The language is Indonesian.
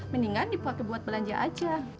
mendingan dipakai buat belanja aja